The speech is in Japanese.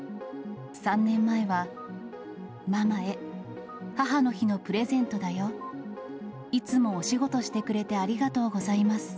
３年前は、ママへ、母の日のプレゼントだよ、いつもお仕事してくれてありがとうございます。